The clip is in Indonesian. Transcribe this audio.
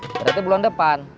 berarti bulan depan